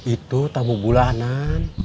itu tamu bulanan